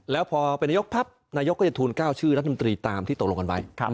แล้วพอเป็นนายกปั๊บนายกก็จะทูล๙ชื่อรัฐมนตรีตามที่ตกลงกันไว้